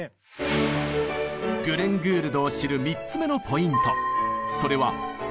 グレン・グールドを知る３つ目のポイント。